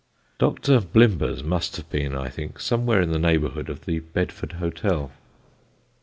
Dr. Blimber's must have been, I think, somewhere in the neighbourhood of the Bedford Hotel.